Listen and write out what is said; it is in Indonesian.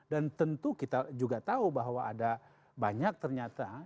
dan tentu kita juga tahu bahwa ada banyak ternyata